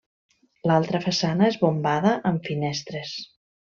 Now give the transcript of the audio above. L'altra façana és bombada, amb finestres.